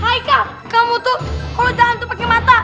kang kamu tuh kalau jalan tuh pakai mata